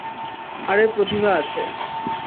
আরে প্রতিভা আছে।